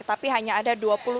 tapi hanya ada dua puluh lima